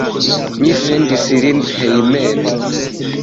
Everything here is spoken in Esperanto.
Mi sendis lin hejmen.